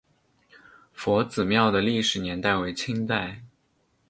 佛子庙的历史年代为清代。